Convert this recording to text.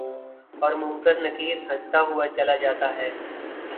اور منکر نکیرہستہ ہوا چلا جاتا ہے